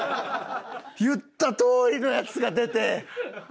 言ったとおりのやつが出て。